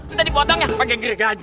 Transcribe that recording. nanti dipotong ya pakai geregaji